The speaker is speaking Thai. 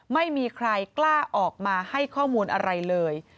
ไม่มีใครกล้าออกมาให้ข้อมูลอะไรเลย